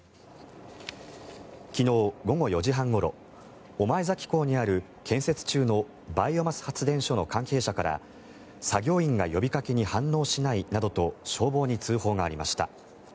昨日午後４時半ごろ御前崎港にある建設中のバイオマス発電所の関係者から作業員が呼びかけに反応しないなどと消防に通報がありました。